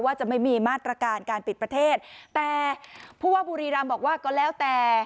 จะไม่มีมาตรการการปิดประเทศแต่ผู้ว่าบุรีรำบอกว่าก็แล้วแต่